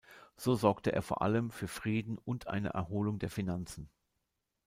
So sorgte er vor allem für Frieden und eine Erholung der Finanzen.